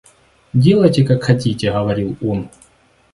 Делайте, как хотите, — говорил он.